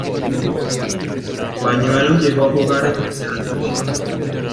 Bañuelos llegó a jugar en Tercera División.